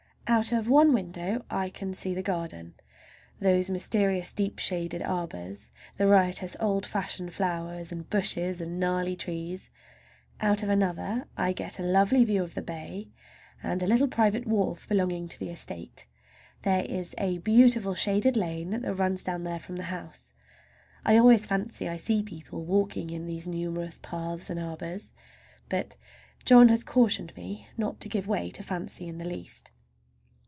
Out of one window I can see the garden, those mysterious deep shaded arbors, the riotous old fashioned flowers, and bushes and gnarly trees. Out of another I get a lovely view of the bay and a little private wharf belonging to the estate. There is a beautiful shaded lane that runs down there from the house. I always fancy I see people walking in these numerous paths and arbors, but John has cautioned me not to give way to fancy in the least.